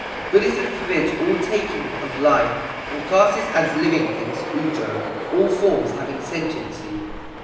Buddhism forbids all taking of life, and classes as living things (Ujō) all forms having sentiency.